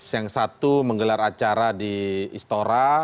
yang satu menggelar acara di istora